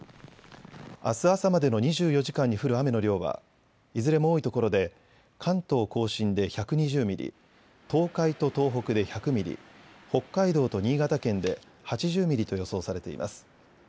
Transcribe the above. あす朝までの２４時間に降る雨の量は、いずれも多い所で、関東甲信で１２０ミリ、東海と東北で１００ミリ、北海道と新潟県で８０ミリと予想されています。